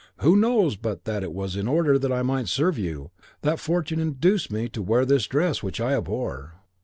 Who knows but that it was in order that I might serve you that fortune induced me to wear this dress which I abhor.